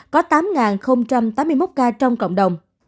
có tám tám mươi một ca trong cộng đồng